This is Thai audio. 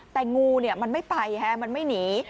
แต่งูมันไม่ไปมันไม่หนี